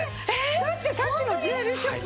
だってさっきのジュエリーショップ